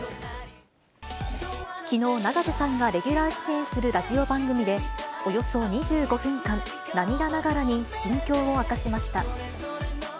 きのう、永瀬さんがレギュラー出演するラジオ番組で、およそ２５分間、涙ながらに心境を明かしました。